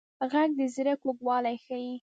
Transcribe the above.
غږ د زړه کوږوالی ښيي